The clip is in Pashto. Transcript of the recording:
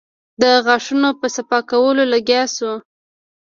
د غاښونو په صفا کولو لگيا سو.